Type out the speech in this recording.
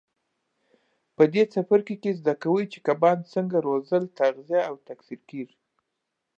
په دې څپرکي کې زده کوئ چې کبان څنګه روزل تغذیه او تکثیر کېږي.